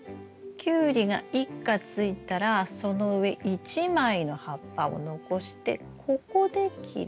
キュウリが一果ついたらその上１枚の葉っぱを残してここで切る。